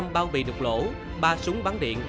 một trăm linh bao bì đục lỗ ba súng bắn điện